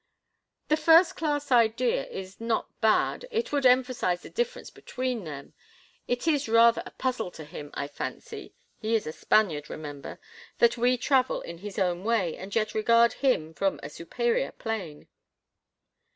"The first class idea is not bad; it would emphasize the difference between them; it is rather a puzzle to him, I fancy—he is a Spaniard, remember—that we travel in his own way and yet regard him from a superior plane."